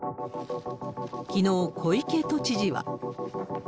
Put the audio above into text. きのう、小池都知事は。